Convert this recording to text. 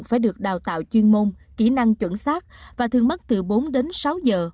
phải được đào tạo chuyên môn kỹ năng chuẩn xác và thường mất từ bốn đến sáu giờ